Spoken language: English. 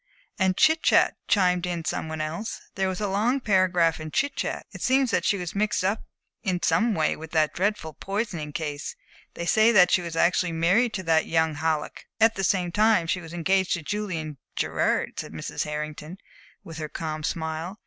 "And Chit Chat," chimed in some one else. "There was a long paragraph in Chit Chat. It seems that she was mixed up in some way in that dreadful poisoning case. They say that she was actually married to that young Halleck." "At the same time that she was engaged to Julian Gerard," said Mrs. Hartington, with her calm smile.